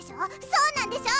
そうなんでしょ！